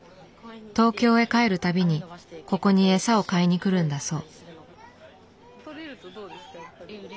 東京へ帰るたびにここに餌を買いに来るんだそう。